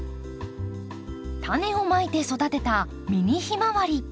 タネをまいて育てたミニヒマワリ。